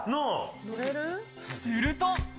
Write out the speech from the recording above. すると。